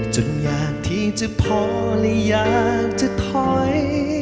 อยากทิ้งจะพอและอยากจะถอย